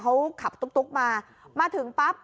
เขาขับตุ๊กมามาถึงปั๊บ